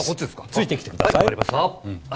ついてきてください。